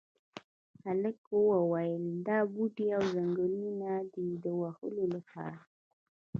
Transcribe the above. ملک وویل دا بوټي او ځنګلونه دي د وهلو لپاره.